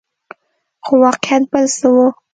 خو واقعیت بل څه وو.